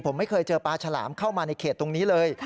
ผมไม่เคยเจอปลาฉลามเข้ามาในเขตตรงนี้เลย